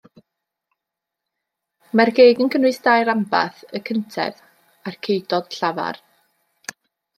Mae'r geg yn cynnwys dau ranbarth, y cyntedd a'r ceudod llafar.